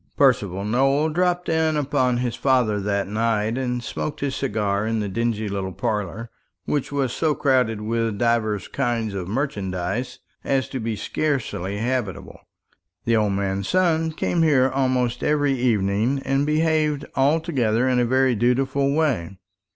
Percival Nowell dropped in upon his father that night, and smoked his cigar in the dingy little parlour, which was so crowded with divers kinds of merchandise as to be scarcely habitable. The old man's son came here almost every evening, and behaved altogether in a very dutiful way.